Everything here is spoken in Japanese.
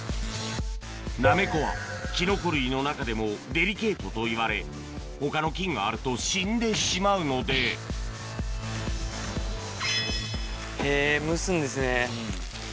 ナメコはキノコ類の中でもデリケートといわれ他の菌があると死んでしまうのでへぇ蒸すんですね。